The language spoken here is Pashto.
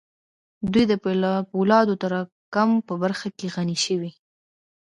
دوی د پولادو د تراکم په برخه کې غني شوې